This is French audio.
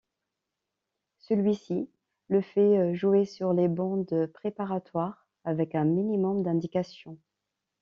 Celui-ci le fait jouer sur les bandes préparatoires, avec un minimum d'indications.